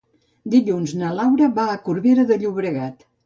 Dilluns na Laura va a Corbera de Llobregat.